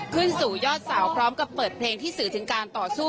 ขึ้นสู่ยอดเสาพร้อมกับเปิดเพลงที่สื่อถึงการต่อสู้